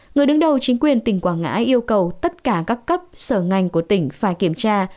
người đứng đầu chính quyền tỉnh quảng ngãi yêu cầu tất cả các cấp sở ngành của tỉnh phải kiểm tra